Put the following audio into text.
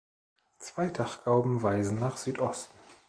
Zwei Dachgauben weisen nach Südosten.